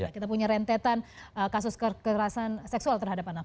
kita punya rentetan kasus kekerasan seksual terhadap anak